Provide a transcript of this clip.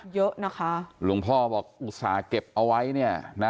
เยอะนะคะหลวงพ่อบอกอุตส่าห์เก็บเอาไว้เนี่ยนะ